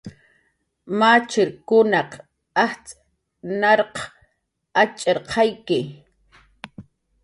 Machirkunaq ajtz' narq atx'irqayshuwi.